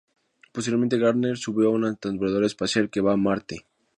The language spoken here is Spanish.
Posteriormente, Gardner sube a un transbordador espacial que va a Marte.